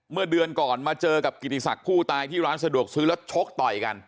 เมื่อเดือนก่อนมาเจอกับกิติศักดิ์ผู้ตายที่ร้านสะดวกซื้อแล้วชกต่อยกัน